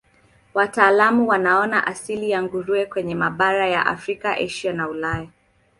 Wataalamu wanaona asili ya nguruwe kwenye mabara ya Afrika, Asia na Ulaya.